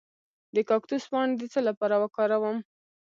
د کاکتوس پاڼې د څه لپاره وکاروم؟